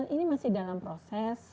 ini masih dalam proses